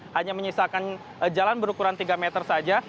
hanya menyisakan jalan berukuran tiga meter saja